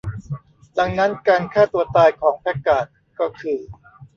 ดังนั้นการฆ่าตัวตายของแพคการ์ดก็คือ